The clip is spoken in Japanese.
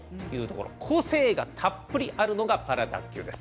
個性がたっぷりあるのがパラ卓球です。